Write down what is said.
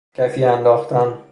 کفی انداختن